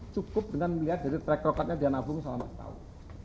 cukup dengan melihat dari track record nya dia nabung selama setahun